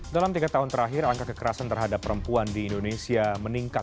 dalam tiga tahun terakhir angka kekerasan terhadap perempuan di indonesia meningkat